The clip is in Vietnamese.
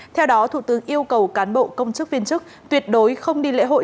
theo đó thủ tướng yêu cầu cán bộ công chức viên chức tuyệt đối không đi lễ hội